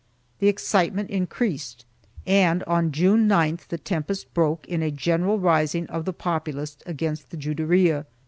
The excitement increased and, on June 9th the tempest broke in a general rising of the populace against the Juderia.